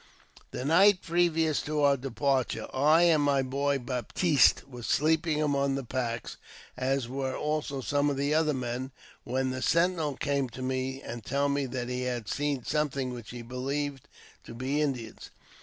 The night previous to our departure, I and my boy Baptiste were sleeping among the packs, as were also some of the other men, when the sentinel came to me to tell me that he had seen something which he believed to be Indians.